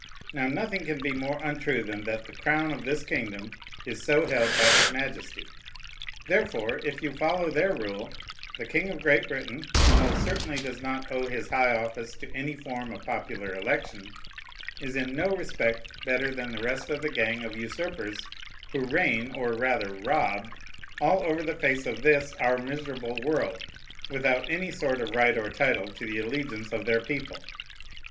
Now nothing can be more untrue than that the crown of this kingdom is so held by his Majesty. Therefore, if you follow their rule, the king of Great Britain, who most certainly does not owe his high office to any form of popular election, is in no respect better than the rest of the gang of usurpers, who reign, or rather rob, all over the face of this our miserable world, without any sort of right or title to the allegiance of their people.